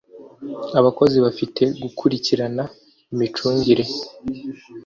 Abakozi bafite gukurikirana imicungire